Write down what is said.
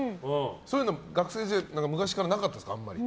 そういうのも、学生時代とか昔からなかったですか？